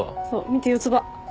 見て四つ葉。